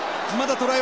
トライ！